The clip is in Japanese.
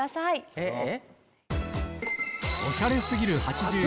えっ？